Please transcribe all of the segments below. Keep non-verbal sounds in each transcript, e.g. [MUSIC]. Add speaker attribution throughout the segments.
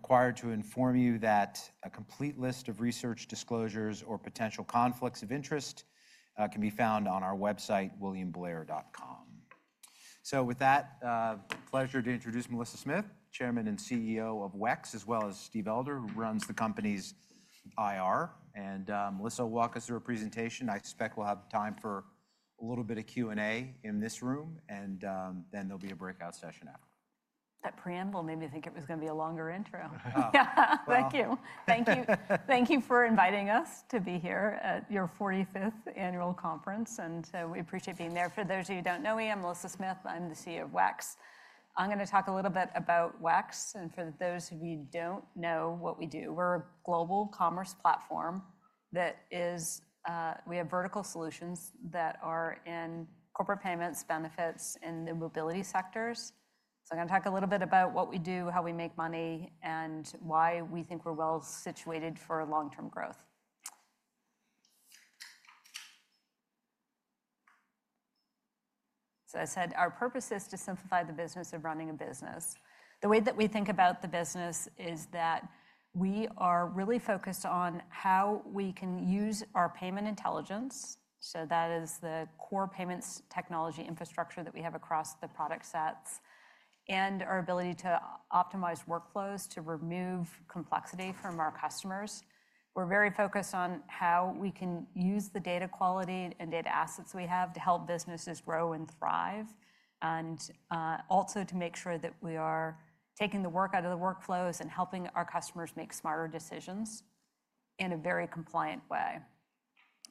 Speaker 1: I'm required to inform you that a complete list of research disclosures or potential conflicts of interest can be found on our website, williamblair.com. With that, pleasure to introduce Melissa Smith, Chairman and CEO of WEX, as well as Steve Elder, who runs the company's IR. Melissa will walk us through a presentation. I suspect we'll have time for a little bit of Q&A in this room, and then there'll be a breakout session after.
Speaker 2: That preamble made me think it was going to be a longer intro. Thank you. Thank you. Thank you for inviting us to be here at your 45th annual conference. We appreciate being there. For those of you who do not know me, I'm Melissa Smith. I'm the CEO of WEX. I'm going to talk a little bit about WEX. For those of you who do not know what we do, we're a global commerce platform that is, we have vertical solutions that are in corporate payments, benefits, and the mobility sectors. I'm going to talk a little bit about what we do, how we make money, and why we think we're well situated for long-term growth. I said our purpose is to simplify the business of running a business. The way that we think about the business is that we are really focused on how we can use our payment intelligence. That is the core payments technology infrastructure that we have across the product sets and our ability to optimize workflows to remove complexity from our customers. We're very focused on how we can use the data quality and data assets we have to help businesses grow and thrive, and also to make sure that we are taking the work out of the workflows and helping our customers make smarter decisions in a very compliant way.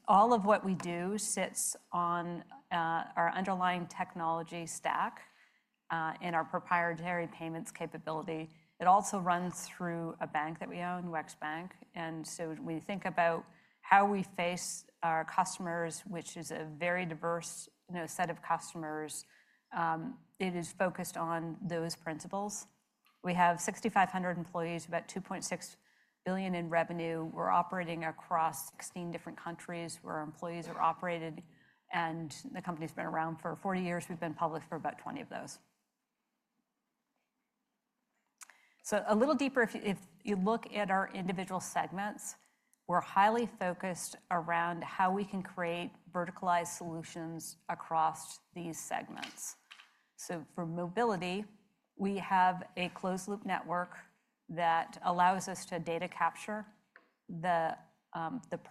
Speaker 2: All of what we do sits on our underlying technology stack and our proprietary payments capability. It also runs through a bank that we own, WEX Bank. When we think about how we face our customers, which is a very diverse set of customers, it is focused on those principles. We have 6,500 employees, about $2.6 billion in revenue. We are operating across 16 different countries where employees are operated. The company has been around for 40 years. We have been public for about 20 of those. A little deeper, if you look at our individual segments, we are highly focused around how we can create verticalized solutions across these segments. For mobility, we have a closed-loop network that allows us to data capture the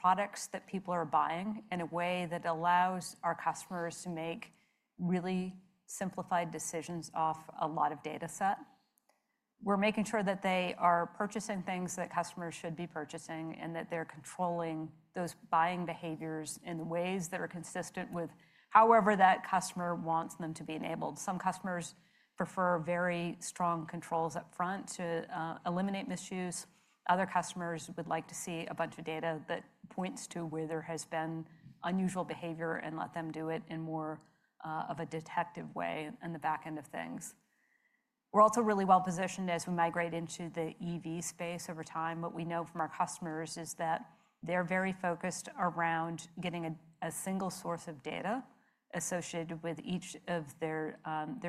Speaker 2: products that people are buying in a way that allows our customers to make really simplified decisions off a lot of data set. We are making sure that they are purchasing things that customers should be purchasing and that they are controlling those buying behaviors in the ways that are consistent with however that customer wants them to be enabled. Some customers prefer very strong controls upfront to eliminate misuse. Other customers would like to see a bunch of data that points to where there has been unusual behavior and let them do it in more of a detective way in the back end of things. We are also really well positioned as we migrate into the EV space over time. What we know from our customers is that they are very focused around getting a single source of data associated with each of their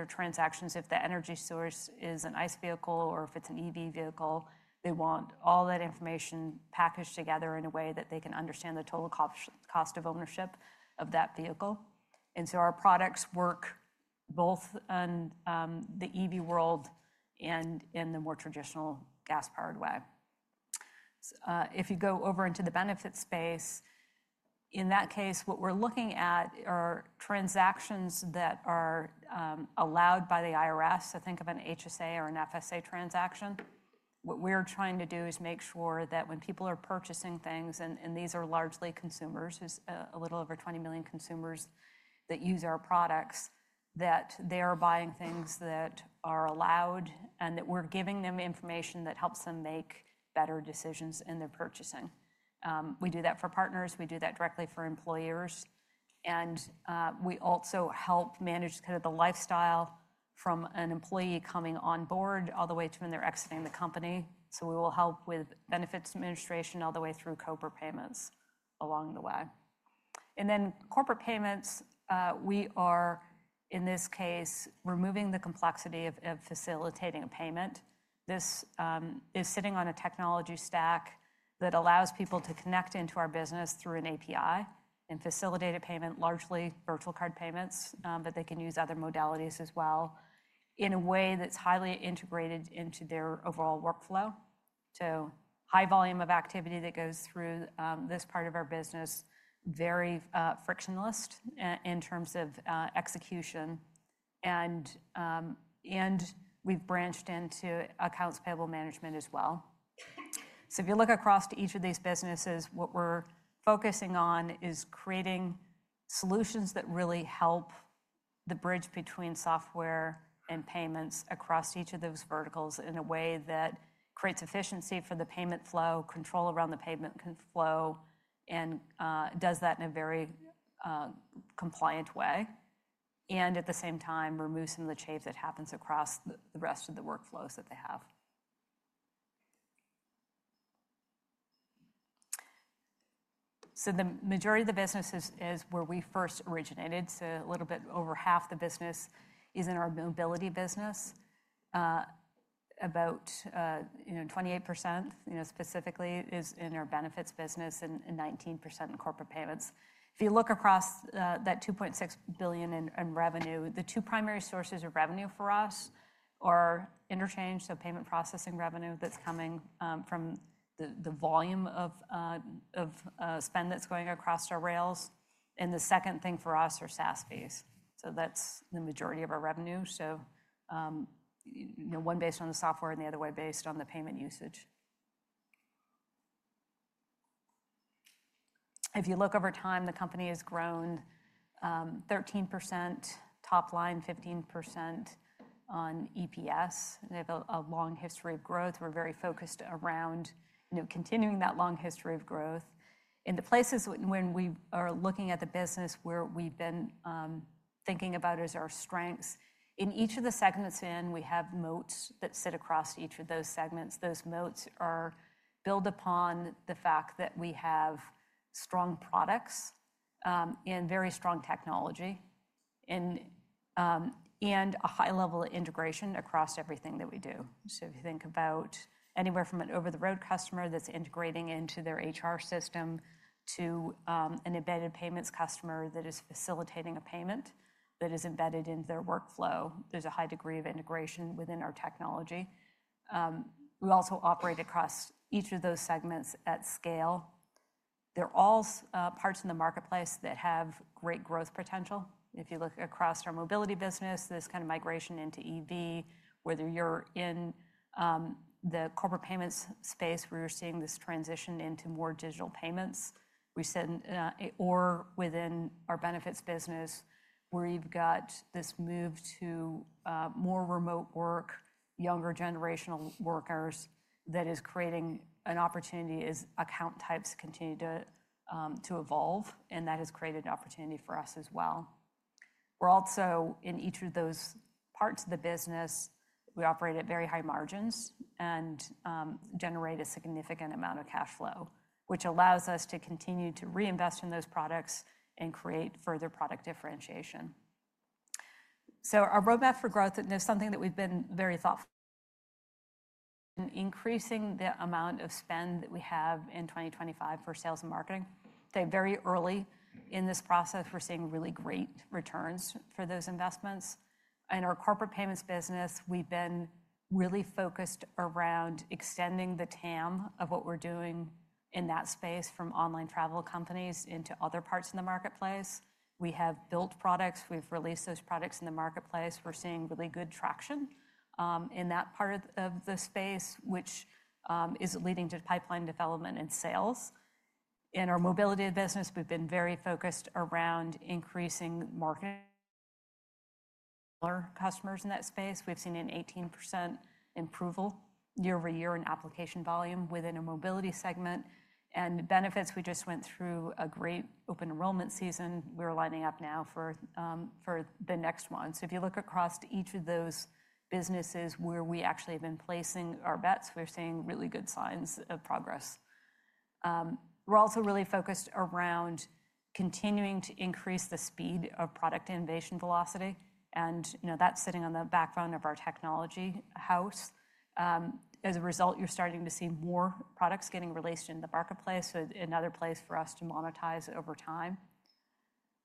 Speaker 2: transactions. If the energy source is an ICE vehicle or if it is an EV vehicle, they want all that information packaged together in a way that they can understand the total cost of ownership of that vehicle. Our products work both in the EV world and in the more traditional gas-powered way. If you go over into the benefits space, in that case, what we are looking at are transactions that are allowed by the IRS. Think of an HSA or an FSA transaction. What we're trying to do is make sure that when people are purchasing things, and these are largely consumers, a little over 20 million consumers that use our products, that they are buying things that are allowed and that we're giving them information that helps them make better decisions in their purchasing. We do that for partners. We do that directly for employers. We also help manage kind of the lifestyle from an employee coming on board all the way to when they're exiting the company. We will help with benefits administration all the way through COBRA payments along the way. Corporate payments, we are, in this case, removing the complexity of facilitating a payment. This is sitting on a technology stack that allows people to connect into our business through an API and facilitate a payment, largely virtual card payments, but they can use other modalities as well in a way that's highly integrated into their overall workflow. A high volume of activity goes through this part of our business, very frictionless in terms of execution. We have branched into accounts payable management as well. If you look across to each of these businesses, what we're focusing on is creating solutions that really help the bridge between software and payments across each of those verticals in a way that creates efficiency for the payment flow, control around the payment flow, and does that in a very compliant way, and at the same time removes some of the change that happens across the rest of the workflows that they have. The majority of the business is where we first originated. A little bit over half the business is in our Mobility business. About 28% specifically is in our Benefits business and 19% in Corporate Payments. If you look across that $2.6 billion in revenue, the two primary sources of revenue for us are interchange, so payment processing revenue that's coming from the volume of spend that's going across our rails. The second thing for us are SaaS fees. That's the majority of our revenue. One based on the software and the other one based on the payment usage. If you look over time, the company has grown 13%, top line 15% on EPS. They have a long history of growth. We're very focused around continuing that long history of growth. In the places when we are looking at the business where we've been thinking about as our strengths, in each of the segments we have, we have moats that sit across each of those segments. Those moats are built upon the fact that we have strong products and very strong technology and a high level of integration across everything that we do. If you think about anywhere from an over-the-road customer that's integrating into their HR system to an embedded payments customer that is facilitating a payment that is embedded in their workflow, there's a high degree of integration within our technology. We also operate across each of those segments at scale. They're all parts in the marketplace that have great growth potential. If you look across our mobility business, there's kind of migration into EV, whether you're in the corporate payments space where you're seeing this transition into more digital payments, or within our benefits business where you've got this move to more remote work, younger generational workers that is creating an opportunity as account types continue to evolve. That has created an opportunity for us as well. We're also in each of those parts of the business, we operate at very high margins and generate a significant amount of cash flow, which allows us to continue to reinvest in those products and create further product differentiation. Our roadmap for growth, there's something that we've been very thoughtful about, increasing the amount of spend that we have in 2025 for sales and marketing. Very early in this process, we're seeing really great returns for those investments. In our corporate payments business, we've been really focused around extending the TAM of what we're doing in that space from online travel companies into other parts of the marketplace. We have built products. We've released those products in the marketplace. We're seeing really good traction in that part of the space, which is leading to pipeline development and sales. In our mobility business, we've been very focused around increasing marketing our customers in that space. We've seen an 18% improvement year over year in application volume within a mobility segment. In benefits, we just went through a great open enrollment season. We're lining up now for the next one. If you look across to each of those businesses where we actually have been placing our bets, we're seeing really good signs of progress. We're also really focused around continuing to increase the speed of product innovation velocity. That is sitting on the backbone of our technology house. As a result, you are starting to see more products getting released in the marketplace, so another place for us to monetize over time.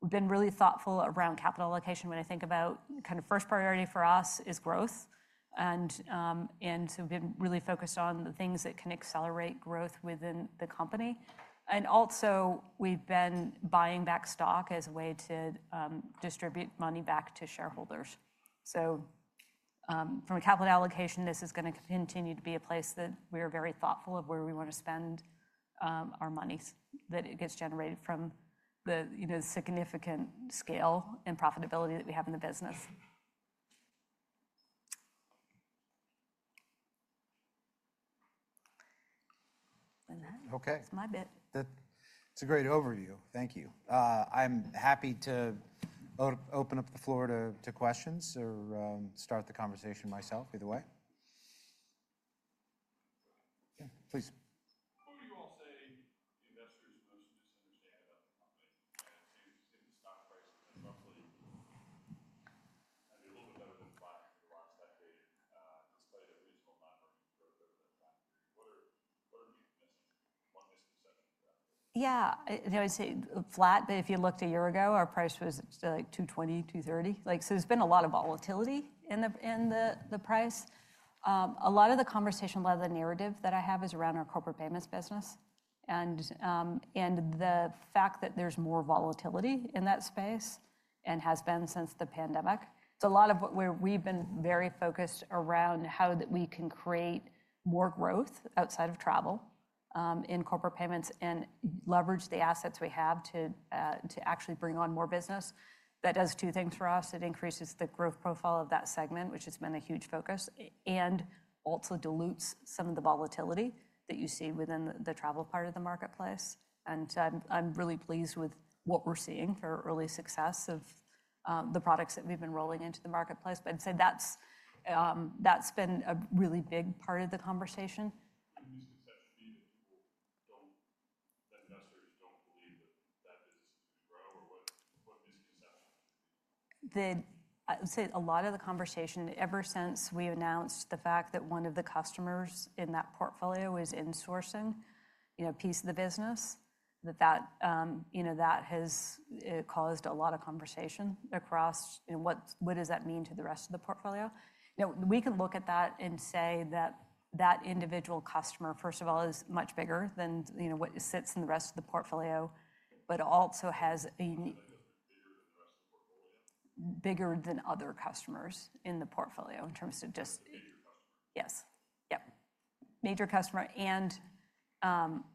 Speaker 2: We have been really thoughtful around capital allocation. When I think about kind of first priority for us, it is growth. We have been really focused on the things that can accelerate growth within the company. We have also been buying back stock as a way to distribute money back to shareholders. From a capital allocation perspective, this is going to continue to be a place that we are very thoughtful of where we want to spend our money that gets generated from the significant scale and profitability that we have in the business.
Speaker 1: Okay.
Speaker 2: It's my bit.
Speaker 1: It's a great overview. Thank you. I'm happy to open up the floor to questions or start the conversation myself either way. Yeah, please. What would you all say investors most misunderstand about the company? I'd say we've seen the stock price have been roughly maybe a little bit better than flat over the last decade. It's played a reasonable amount. [AUDIO DISTORTION]
Speaker 2: Yeah, I would say flat, but if you looked a year ago, our price was like $220, $230. There has been a lot of volatility in the price. A lot of the conversation, a lot of the narrative that I have is around our corporate payments business and the fact that there is more volatility in that space and has been since the pandemic. A lot of where we have been very focused is around how we can create more growth outside of travel in corporate payments and leverage the assets we have to actually bring on more business. That does two things for us. It increases the growth profile of that segment, which has been a huge focus, and also dilutes some of the volatility that you see within the travel part of the marketplace. I'm really pleased with what we're seeing for early success of the products that we've been rolling into the marketplace. I'd say that's been a really big part of the conversation. [AUDIO DISTORTION] I would say a lot of the conversation ever since we announced the fact that one of the customers in that portfolio is insourcing a piece of the business, that that has caused a lot of conversation across what does that mean to the rest of the portfolio. We can look at that and say that that individual customer, first of all, is much bigger than what sits in the rest of the portfolio, but also has. [AUDIO DISTORTION] Bigger than other customers in the portfolio in terms of just. [AUDIO DISTORTION] Yes. Yep. Major customer. And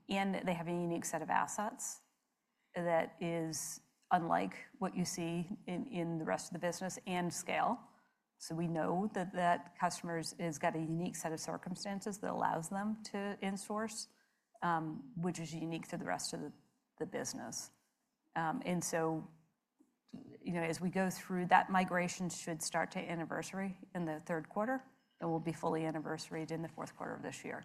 Speaker 2: they have a unique set of assets that is unlike what you see in the rest of the business and scale. We know that that customer has got a unique set of circumstances that allows them to in source, which is unique to the rest of the business. As we go through, that migration should start to anniversary in the third quarter and will be fully anniversary in the fourth quarter of this year.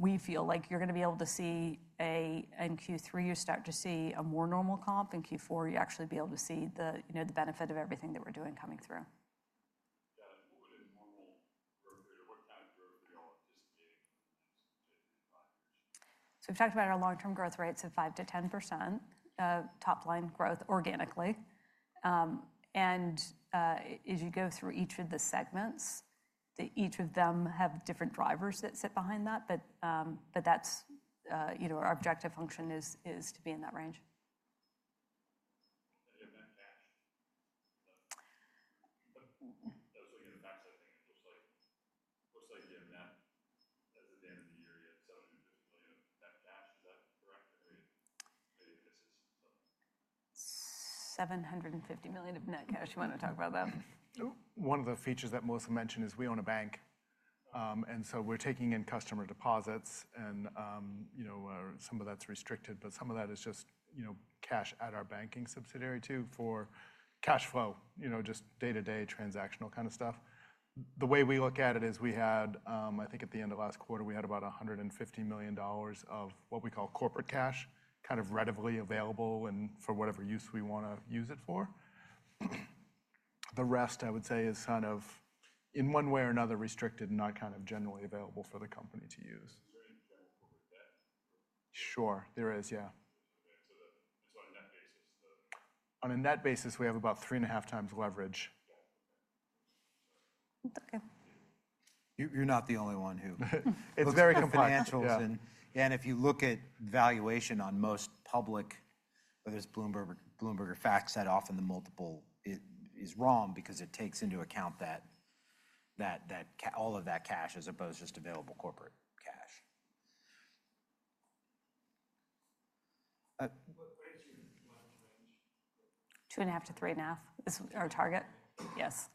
Speaker 2: We feel like you're going to be able to see in Q3, you start to see a more normal comp. In Q4, you actually be able to see the benefit of everything that we're doing coming through. What would a normal growth rate or what kind of growth are you all anticipating over the next two to five years? We've talked about our long-term growth rates of 5%-10% top line growth organically. And as you go through each of the segments, each of them have different drivers that sit behind that. But our objective function is to be in that range. [AUDIO DISTORTION] That was like an, accepting it, looks like you have net at the end of the year, you have $750 million of net cash. Is that correct? Or. [AUDIO DISTORTION] $750 million of net cash. You want to talk about that?
Speaker 3: One of the features that Melissa mentioned is we own a bank. We are taking in customer deposits. Some of that is restricted, but some of that is just cash at our banking subsidiary too for cash flow, just day-to-day transactional kind of stuff. The way we look at it is we had, I think at the end of last quarter, about $150 million of what we call corporate cash kind of readily available and for whatever use we want to use it for. The rest, I would say, is kind of in one way or another restricted and not kind of generally available for the company to use. [AUDIO DISTORTION] Sure. There is, yeah. On a net basis. On a net basis, we have about 3 1/2x leverage.
Speaker 2: Okay.
Speaker 3: You're not the only one who. It's very complex. If you look at valuation on most public, whether it's Bloomberg or FactSet, often the multiple is wrong because it takes into account all of that cash as opposed to just available corporate cash. [AUDIO DISTORTION]
Speaker 2: 2 1/2 to 3 1/2 is our target. Yes.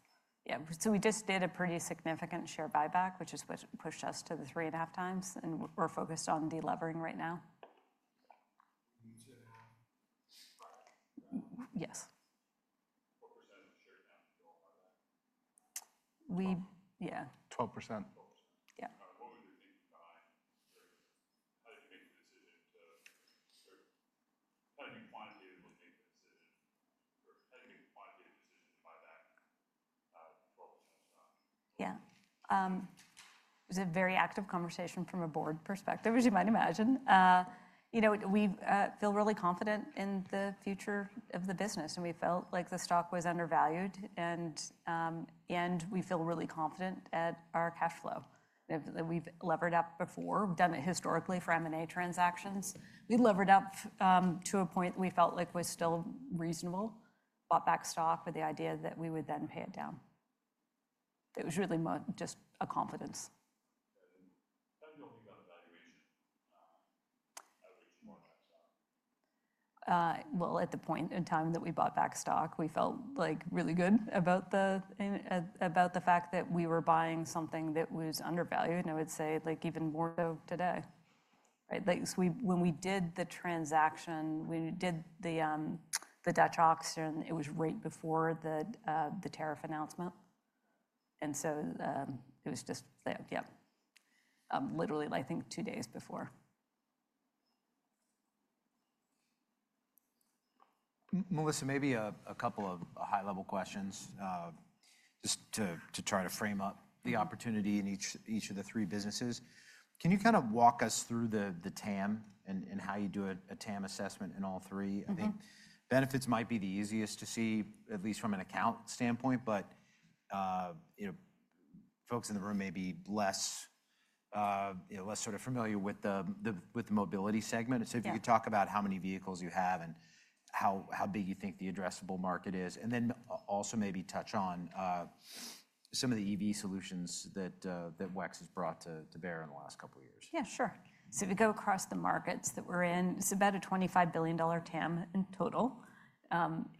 Speaker 2: Yeah. So we just did a pretty significant share buyback, which is what pushed us to the 3 1/2x. And we're focused on delevering right now. Two and a half? Yes. [AUDIO DISTORTION] Yeah.
Speaker 3: 12%.
Speaker 2: Yeah. [AUDIO DISTORTION] or how did you make the quantitative decision to buy back [12%]? Yeah. It was a very active conversation from a board perspective, as you might imagine. We feel really confident in the future of the business. We felt like the stock was undervalued. We feel really confident at our cash flow. We've levered up before. We've done it historically for M&A transactions. We levered up to a point that we felt like was still reasonable. Bought back stock with the idea that we would then pay it down. It was really just a confidence. [AUDIO DISTORTION] At the point in time that we bought back stock, we felt really good about the fact that we were buying something that was undervalued. I would say even more so today. When we did the transaction, we did the Dutch auction, it was right before the tariff announcement. It was just, yeah, literally, I think two days before.
Speaker 1: Melissa, maybe a couple of high-level questions just to try to frame up the opportunity in each of the three businesses. Can you kind of walk us through the TAM and how you do a TAM assessment in all three? I think benefits might be the easiest to see, at least from an account standpoint, but folks in the room may be less sort of familiar with the mobility segment. If you could talk about how many vehicles you have and how big you think the addressable market is. Also maybe touch on some of the EV solutions that WEX has brought to bear in the last couple of years.
Speaker 2: Yeah, sure. If you go across the markets that we're in, it's about a $25 billion TAM in total.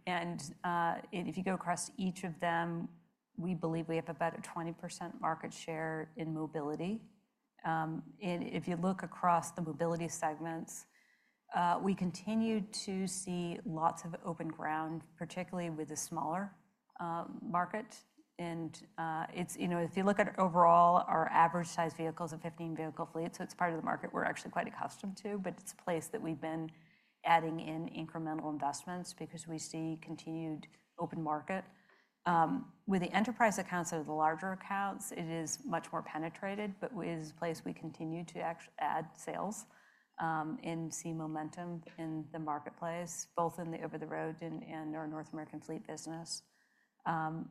Speaker 2: If you go across each of them, we believe we have about a 20% market share in mobility. If you look across the mobility segments, we continue to see lots of open ground, particularly with a smaller market. If you look at overall, our average size vehicle is a 15-vehicle fleet. It's part of the market we're actually quite accustomed to. It's a place that we've been adding in incremental investments because we see continued open market. With the enterprise accounts that are the larger accounts, it is much more penetrated, but it is a place we continue to add sales and see momentum in the marketplace, both in the over-the-road and our North American fleet business. Our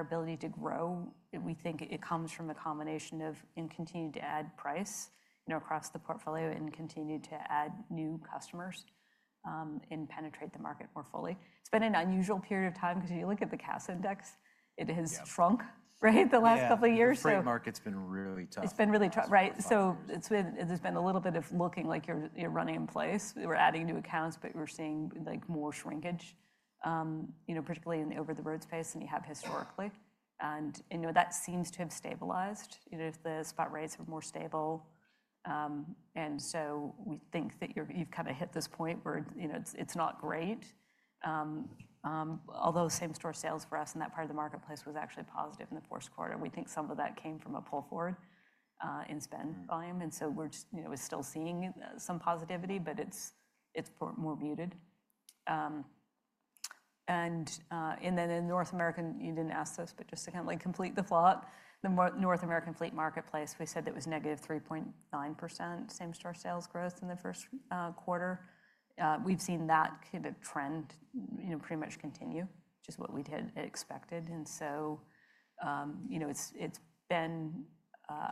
Speaker 2: ability to grow, we think it comes from a combination of continuing to add price across the portfolio and continuing to add new customers and penetrate the market more fully. It's been an unusual period of time because if you look at the CAS index, it has shrunk the last couple of years.
Speaker 1: The market's been really tough.
Speaker 2: It's been really tough, right? There's been a little bit of looking like you're running in place. We're adding new accounts, but we're seeing more shrinkage, particularly in the over-the-road space than you have historically. That seems to have stabilized if the spot rates are more stable. We think that you've kind of hit this point where it's not great. Although same-store sales for us in that part of the marketplace was actually positive in the fourth quarter, we think some of that came from a pull forward in spend volume. We're still seeing some positivity, but it's more muted. In North American, you didn't ask this, but just to kind of complete the thought, the North American fleet marketplace, we said that was -3.9% same-store sales growth in the first quarter. We've seen that kind of trend pretty much continue, which is what we had expected. It has been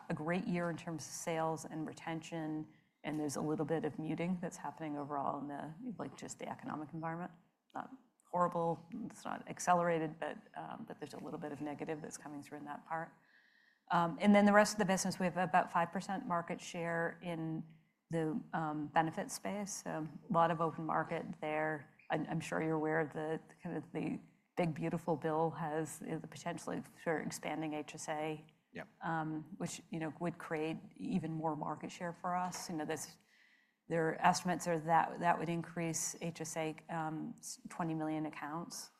Speaker 2: a great year in terms of sales and retention. There is a little bit of muting that is happening overall in just the economic environment. Not horrible. It is not accelerated, but there is a little bit of negative that is coming through in that part. The rest of the business, we have about 5% market share in the benefit space. A lot of open market there. I am sure you are aware of the kind of the big, beautiful bill has the potential for expanding HSA, which would create even more market share for us. Their estimates are that that would increase HSA 20 million accounts.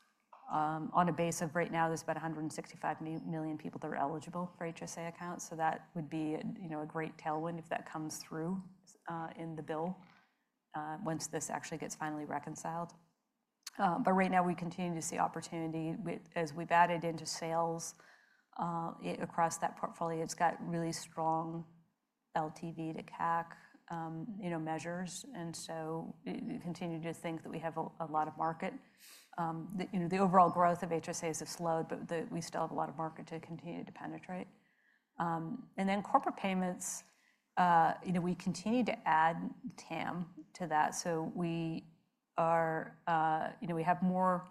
Speaker 2: On a basis of right now, there are about 165 million people that are eligible for HSA accounts. That would be a great tailwind if that comes through in the bill once this actually gets finally reconciled. Right now, we continue to see opportunity as we have added into sales across that portfolio. It has really strong LTV to CAC measures. We continue to think that we have a lot of market. The overall growth of HSAs has slowed, but we still have a lot of market to continue to penetrate. In corporate payments, we continue to add TAM to that. We have more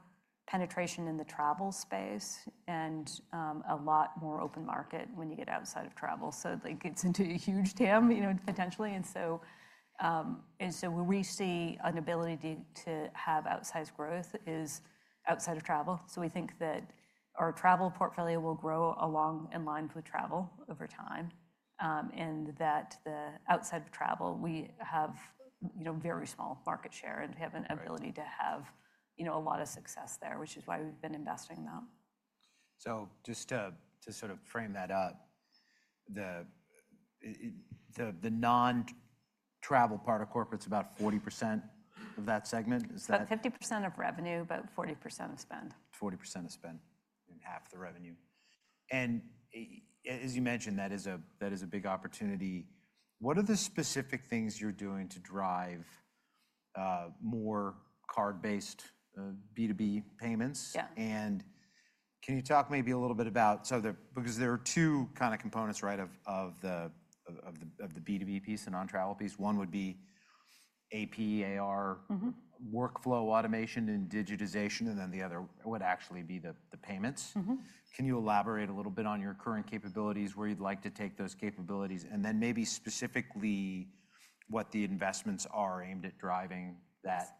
Speaker 2: penetration in the travel space and a lot more open market when you get outside of travel. It gets into a huge TAM potentially. Where we see an ability to have outsized growth is outside of travel. We think that our travel portfolio will grow along and lined with travel over time and that outside of travel, we have very small market share and we have an ability to have a lot of success there, which is why we've been investing in that.
Speaker 1: Just to sort of frame that up, the non-travel part of corporate is about 40% of that segment.
Speaker 2: About 50% of revenue, but 40% of spend.
Speaker 1: 40% of spend and half the revenue. As you mentioned, that is a big opportunity. What are the specific things you're doing to drive more card-based B2B payments?
Speaker 2: Yeah.
Speaker 1: Can you talk maybe a little bit about, because there are two kind of components, right, of the B2B piece, the non-travel piece. One would be AP, AR, workflow automation and digitization. The other would actually be the payments. Can you elaborate a little bit on your current capabilities, where you'd like to take those capabilities, and then maybe specifically what the investments are aimed at driving that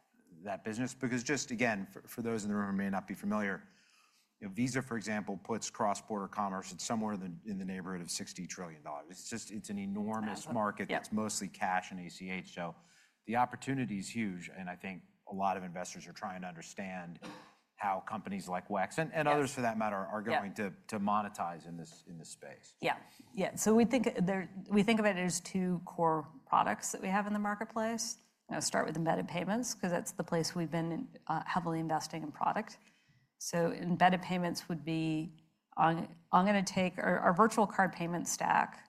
Speaker 1: business? Just, again, for those in the room who may not be familiar, Visa, for example, puts cross-border commerce in somewhere in the neighborhood of $60 trillion. It's an enormous market that's mostly cash and ACH. The opportunity is huge. I think a lot of investors are trying to understand how companies like WEX and others, for that matter, are going to monetize in this space.
Speaker 2: Yeah. Yeah. We think about it as two core products that we have in the marketplace. I'll start with embedded payments because that's the place we've been heavily investing in product. Embedded payments would be I'm going to take our virtual card payment stack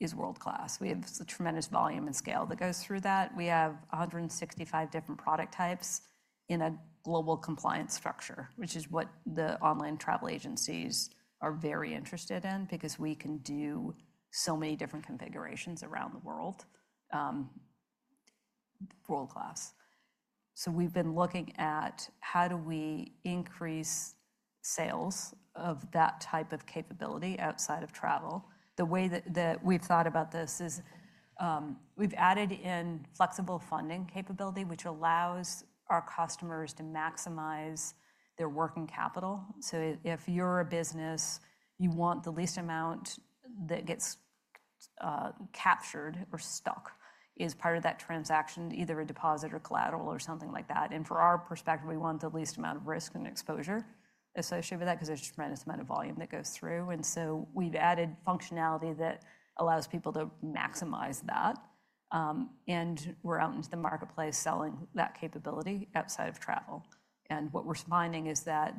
Speaker 2: is world-class. We have a tremendous volume and scale that goes through that. We have 165 different product types in a global compliance structure, which is what the online travel agencies are very interested in because we can do so many different configurations around the world. World-class. We've been looking at how do we increase sales of that type of capability outside of travel. The way that we've thought about this is we've added in flexible funding capability, which allows our customers to maximize their working capital. If you're a business, you want the least amount that gets captured or stuck as part of that transaction, either a deposit or collateral or something like that. From our perspective, we want the least amount of risk and exposure associated with that because there's a tremendous amount of volume that goes through. We have added functionality that allows people to maximize that. We're out into the marketplace selling that capability outside of travel. What we're finding is that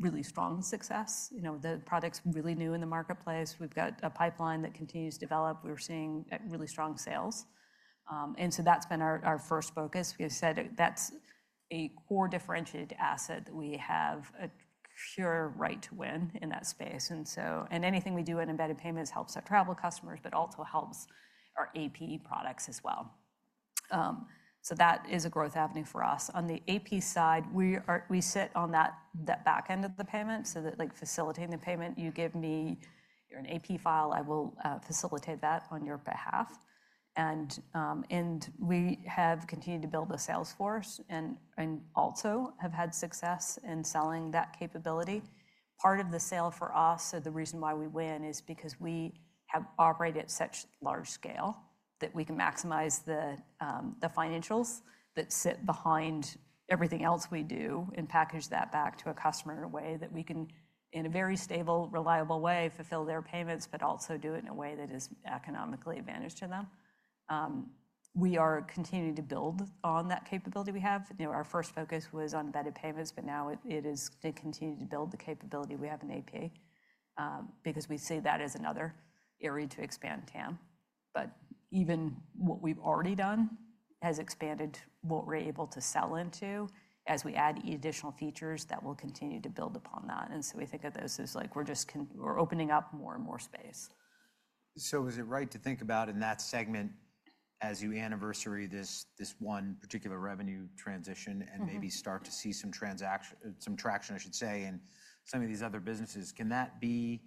Speaker 2: really strong success. The product's really new in the marketplace. We've got a pipeline that continues to develop. We're seeing really strong sales. That's been our first focus. We have said that's a core differentiated asset that we have a pure right to win in that space. Anything we do in embedded payments helps our travel customers, but also helps our AP products as well. That is a growth avenue for us. On the AP side, we sit on that back end of the payment. Facilitating the payment, you give me your AP file. I will facilitate that on your behalf. We have continued to build a sales force and also have had success in selling that capability. Part of the sale for us, the reason why we win, is because we have operated at such large scale that we can maximize the financials that sit behind everything else we do and package that back to a customer in a way that we can, in a very stable, reliable way, fulfill their payments, but also do it in a way that is economically advantageous to them. We are continuing to build on that capability we have. Our first focus was on embedded payments, but now it is to continue to build the capability we have in AP because we see that as another area to expand TAM. Even what we've already done has expanded what we're able to sell into as we add additional features that will continue to build upon that. We think of those as like we're opening up more and more space.
Speaker 1: Is it right to think about in that segment as you anniversary this one particular revenue transition and maybe start to see some traction, I should say, in some of these other businesses? Can that be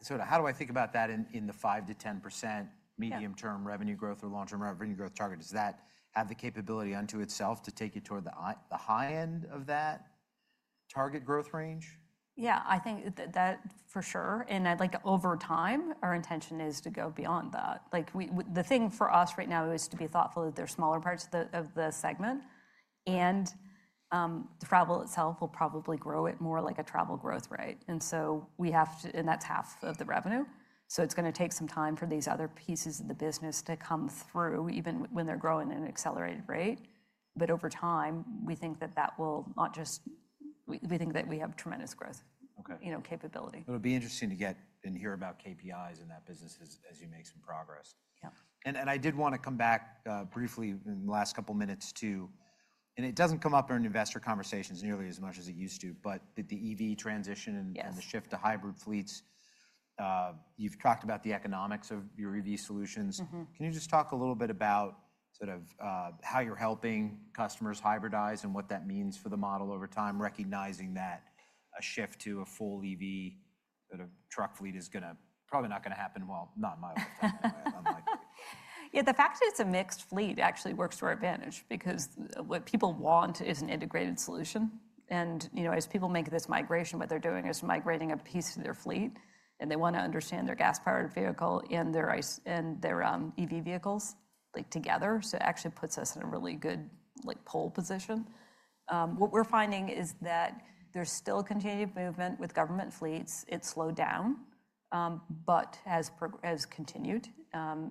Speaker 1: sort of how do I think about that in the 5-10% medium-term revenue growth or long-term revenue growth target? Does that have the capability unto itself to take you toward the high end of that target growth range?
Speaker 2: Yeah, I think that for sure. I'd like to, over time, our intention is to go beyond that. The thing for us right now is to be thoughtful of their smaller parts of the segment. The travel itself will probably grow at more like a travel growth rate. We have to, and that's half of the revenue. It's going to take some time for these other pieces of the business to come through even when they're growing at an accelerated rate. Over time, we think that we have tremendous growth capability.
Speaker 1: It'll be interesting to get and hear about KPIs in that business as you make some progress.
Speaker 2: Yeah.
Speaker 1: I did want to come back briefly in the last couple of minutes to, and it does not come up in investor conversations nearly as much as it used to, but the EV transition and the shift to hybrid fleets. You have talked about the economics of your EV solutions. Can you just talk a little bit about sort of how you are helping customers hybridize and what that means for the model over time, recognizing that a shift to a full EV sort of truck fleet is probably not going to happen, not in my lifetime.
Speaker 2: Yeah, the fact that it's a mixed fleet actually works to our advantage because what people want is an integrated solution. As people make this migration, what they're doing is migrating a piece of their fleet. They want to understand their gas-powered vehicle and their EV vehicles together. It actually puts us in a really good pull position. What we're finding is that there's still continued movement with government fleets. It's slowed down, but has continued. In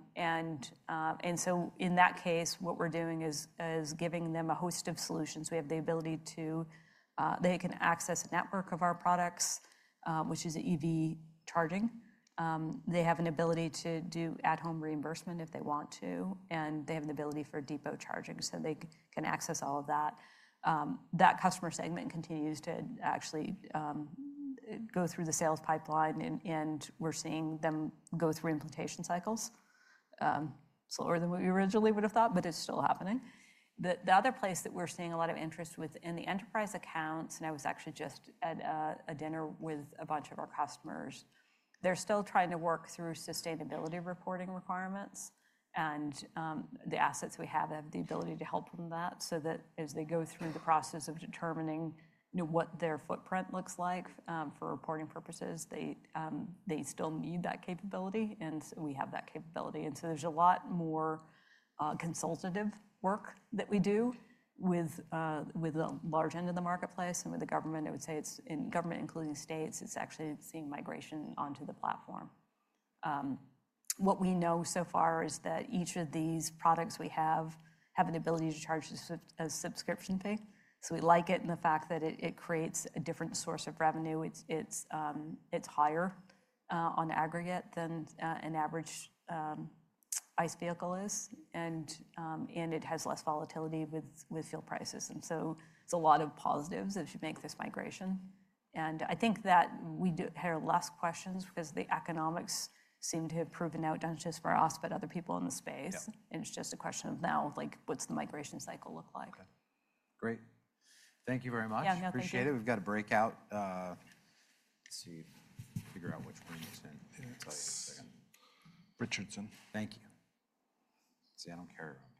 Speaker 2: that case, what we're doing is giving them a host of solutions. We have the ability so they can access a network of our products, which is EV charging. They have an ability to do at-home reimbursement if they want to. They have an ability for depot charging. They can access all of that. That customer segment continues to actually go through the sales pipeline. We're seeing them go through implementation cycles slower than we originally would have thought, but it's still happening. The other place that we're seeing a lot of interest within the enterprise accounts, and I was actually just at a dinner with a bunch of our customers, they're still trying to work through sustainability reporting requirements. The assets we have have the ability to help them with that so that as they go through the process of determining what their footprint looks like for reporting purposes, they still need that capability. We have that capability. There's a lot more consultative work that we do with the large end of the marketplace and with the government. I would say it's in government, including states, it's actually seeing migration onto the platform. What we know so far is that each of these products we have have an ability to charge a subscription fee. We like it in the fact that it creates a different source of revenue. It is higher on aggregate than an average ICE vehicle is. It has less volatility with fuel prices. It is a lot of positives as you make this migration. I think that we had less questions because the economics seem to have proven out not just for us, but other people in the space. It is just a question of now, what is the migration cycle look like?
Speaker 1: Okay. Great. Thank you very much.
Speaker 2: Yeah, no problem.
Speaker 1: Appreciate it. We've got a breakout. Let's see. Figure out which one you sent. I'll tell you in a second. Richardson. Thank you. See, I don't care.